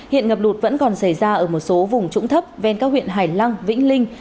hiện ngập lụt vẫn còn xảy ra ở một số vùng trũng thấp ven các huyện hải lăng vĩnh linh